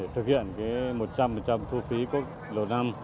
thực hiện một trăm linh thu phí quốc lộ năm